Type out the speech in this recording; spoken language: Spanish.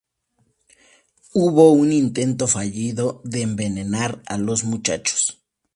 Hubo un intento fallido de envenenar a los muchachos.